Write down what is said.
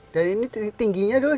dan ini tingginya dulu sih